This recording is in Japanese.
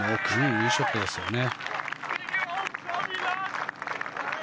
いいショットですよね。